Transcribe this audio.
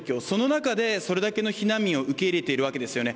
その中でそれだけの避難民を受け入れているわけです。